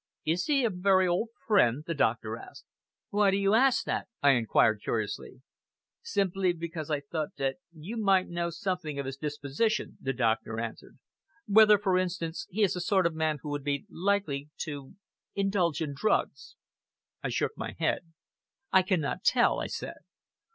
"Is he a very old friend?" the doctor asked. "Why do you ask that?" I inquired curiously. "Simply because I thought that you might know something of his disposition," the doctor answered. "Whether, for instance, he is the sort of man who would be likely to indulge in drugs." I shook my head. "I cannot tell," I said.